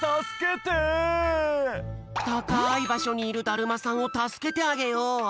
たかいばしょにいるだるまさんをたすけてあげよう！